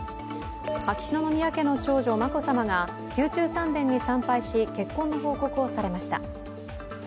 秋篠宮家の長女・眞子さまが宮中三殿に参拝し結婚の報告をされました。